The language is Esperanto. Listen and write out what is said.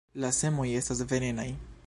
La semoj estas venenaj.